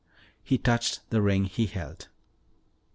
He touched the ring he held.